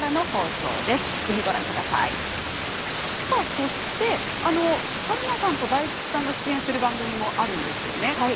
そして春菜さん大吉さんが出演する番組もあるんですよね。